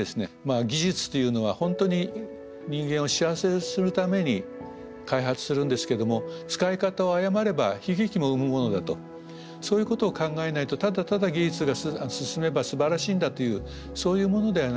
技術というのは本当に人間を幸せにするために開発するんですけども使い方を誤れば悲劇も生むものだとそういうことを考えないとただただ技術が進めばすばらしいんだというそういうものではない。